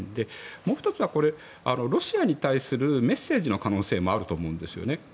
もう１つは、ロシアに対するメッセージの可能性もあると思うんですよね。